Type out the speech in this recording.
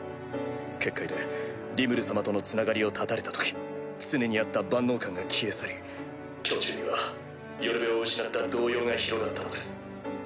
結界でリムル様とのつながりを絶たれた時常にあった万能感が消え去り胸中には寄る辺を失った動揺が広がったのです。